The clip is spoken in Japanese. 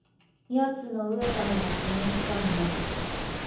ヤツの飢えた目が気に入ったんだ。